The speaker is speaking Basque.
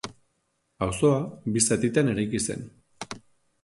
Auzoa bi zatitan eraiki zen.